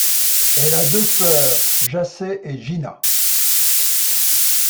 Elle a deux sœurs, Jacey et Jina..